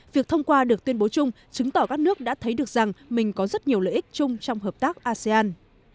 việc thông qua được tuyên bố chung chứng tỏ các nước đã thấy được rằng mình có rất nhiều lợi ích chung trong hợp tác asean